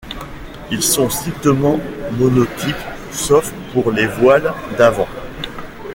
Ils sont strictement monotypes, sauf pour les voiles d'avant.